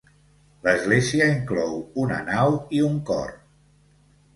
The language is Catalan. L'església inclou una nau i un cor.